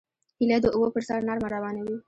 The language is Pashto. هیلۍ د اوبو پر سر نرمه روانه وي